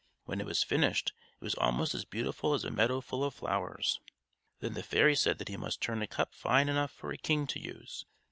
When it was finished, it was almost as beautiful as a meadow full of flowers! Then the fairy said that he must turn a cup fine enough for a king to use.